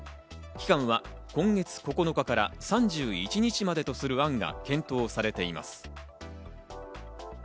期間は今月９日から３１日までとする案が検討されています。